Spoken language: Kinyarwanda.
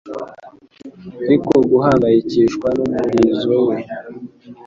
Ariko guhangayikishwa n'umurizo we